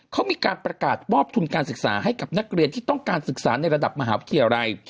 เขามีการประกาศมอบทุนการศึกษาให้กับนักเรียนที่ต้องการศึกษาในระดับมหาวิทยาลัย